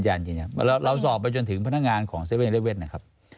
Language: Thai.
เราสอบไปจนถึงพนักงานของ๗๑๑นะครับ